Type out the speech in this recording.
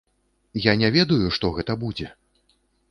Я не ведаю, што гэта будзе?